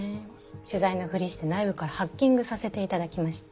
取材のふりして内部からハッキングさせていただきました。